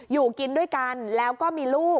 อยู่กินด้วยกันแล้วก็มีลูก